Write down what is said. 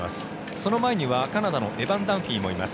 その前にはカナダのエバン・ダンフィーがいます。